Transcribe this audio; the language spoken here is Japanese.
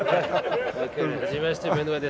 はじめましてブノワです。